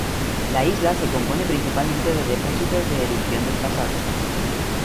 La isla se compone principalmente de depósitos de erupción del pasado.